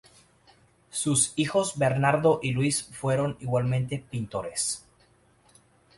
Sus hijos Bernardo y Luis fueron igualmente pintores.